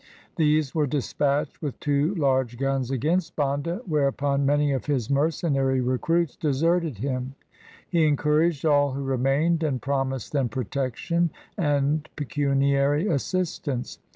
These were dispatched with two large guns against Banda, whereupon many of his mercenary recruits deserted him. He encouraged all who remained, and promised them protection and pecuniary assistance.